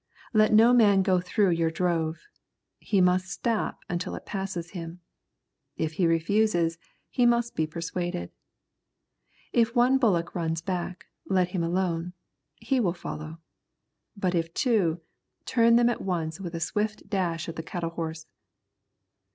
Let no man go through your drove. He must stop until it passes him. If he refuses, he must be persuaded. If one bullock runs back, let him alone; he will follow. But if two, turn them at once with a swift dash of the cattle horse.